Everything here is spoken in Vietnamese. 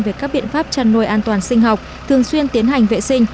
về các biện pháp chăn nuôi an toàn sinh học thường xuyên tiến hành vệ sinh